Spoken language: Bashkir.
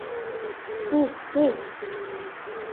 Тиҙ, тиҙ!